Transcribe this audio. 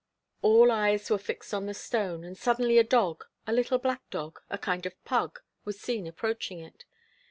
All eyes were fixed on the stone, and suddenly a dog, a little black dog, a kind of pug, was seen approaching it.